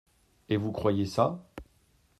Et vous croyez ça ?